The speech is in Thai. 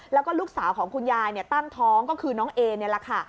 แล้วก็ลูกสาวของคุณยายตั้งท้องก็คือน้องเอนี่แหละค่ะ